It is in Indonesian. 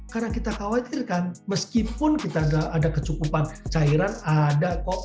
karena kita khawatirkan meskipun kita ada kecukupan cairan ada kok